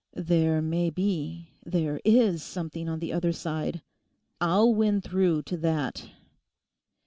There may be; there is something on the other side. I'll win through to that.